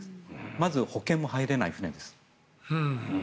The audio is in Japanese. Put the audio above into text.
まず保険も入れない船です。